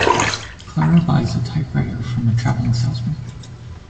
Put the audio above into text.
Clara buys a typewriter from a traveling salesman.